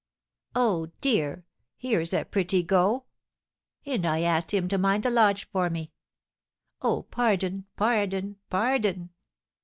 Oh, dear, here's a pretty go! And I asked him to mind the lodge for me. Oh, pardon! Pardon! Pardon!"